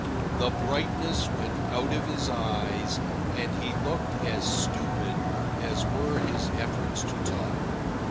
The brightness went out of his eyes, and he looked as stupid as were his efforts to talk.